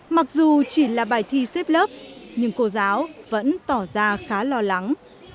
mặc dù chỉ là bài thi xếp lớp nhưng cô giáo vẫn tỏ ra khá lo lắng